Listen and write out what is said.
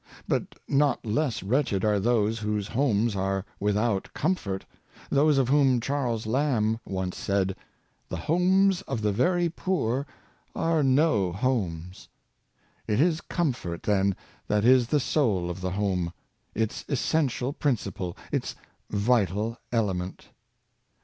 but not less wretched are those whose homes are without comfort — those of whom Charles Lamb once said, " The homes of the very poor are no homes." It is com fort, then, that is the soul of the home — its essential principle, its vital element.